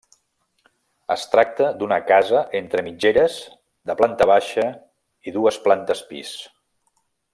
Es tracta d'una casa entre mitgeres de planta baixa i dues plantes pis.